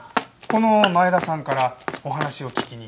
この前田さんからお話を聞きに。